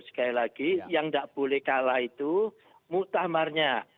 sekali lagi yang tidak boleh kalah itu muktamarnya